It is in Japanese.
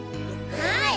はい。